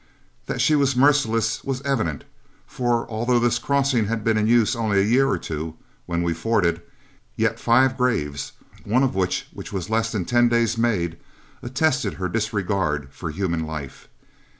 That she was merciless was evident, for although this crossing had been in use only a year or two when we forded, yet five graves, one of which was less than ten days made, attested her disregard for human life.